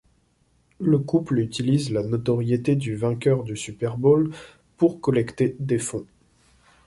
Le couple utilise la notoriété du vainqueur du Super Bowl pour collecter des fonds.